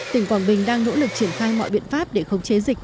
tỉnh quảng bình đang nỗ lực triển khai mọi biện pháp để khống chế dịch